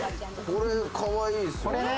これ、かわいいですね。